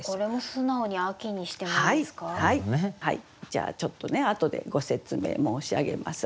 じゃあちょっとねあとでご説明申し上げます。